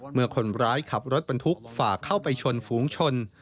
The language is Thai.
เมื่อคนร้ายขับรถบรรทุกฝ่าเข้าไปชนฝูงชน